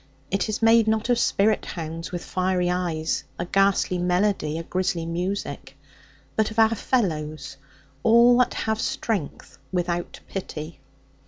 It is made not of spirit hounds with fiery eyes a ghastly 'Melody,' a grisly 'Music' , but of our fellows, all that have strength without pity.